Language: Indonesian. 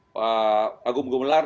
pak agung gumelar